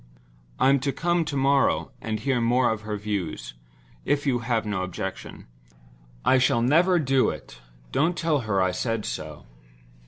"I'm to come to morrow, and hear more of her views—if you have no objection. I shall never do it; don't tell her I said so.